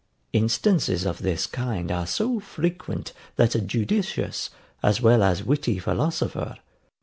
Instances of this kind are so frequent that a judicious, as well as witty philosopher, [Footnote: Mons.